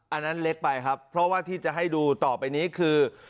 อันนั้นเล็กไปครับเพราะว่าที่จะให้ดูต่อไปนี้คือ